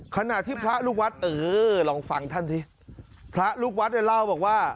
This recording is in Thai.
ขณะที่พระลูกวัดเออลองฟังท่านสิพระลูกวัดเนี่ยเล่าบอกว่า